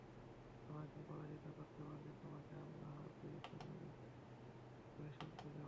আমাকে পরাজিত করতে পারলে তোমাকে আল্লাহর প্রেরিত নবী বলে স্বীকৃতি দেব।